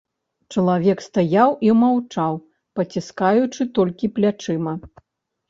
Чалавек стаяў і маўчаў, паціскаючы толькі плячыма.